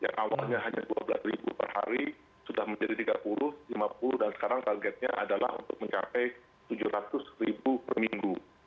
yang awalnya hanya dua belas ribu per hari sudah menjadi tiga puluh lima puluh dan sekarang targetnya adalah untuk mencapai tujuh ratus ribu per minggu